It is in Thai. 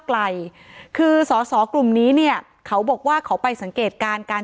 ไกลคือสอสอกลุ่มนี้เนี่ยเขาบอกว่าเขาไปสังเกตการณ์การ